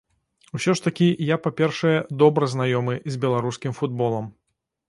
Усё ж такі я, па-першае, добра знаёмы з беларускім футболам.